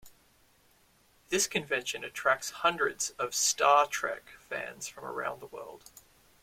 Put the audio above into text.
This convention attracts hundreds of "Star Trek" fans from around the world.